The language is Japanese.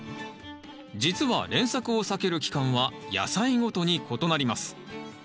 実は連作を避ける期間は野菜ごとに異なります。